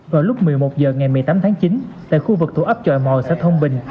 vào lúc một mươi một h ngày một mươi tám tháng chín tại khu vực thủ ấp tròi mò xã thông bình